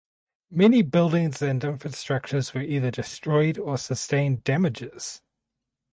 Many buildings and infrastructures were either destroyed or sustained damages.